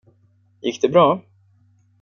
Gick det bra?